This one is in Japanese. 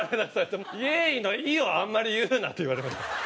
「イエーイの“イ”をあんまり言うな」って言われました。